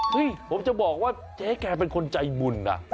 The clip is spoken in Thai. ผมจะบอกว่าเจ๊แกเป็นคนใจบุญนะ